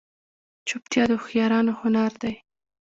چوپتیا، د هوښیارانو هنر دی.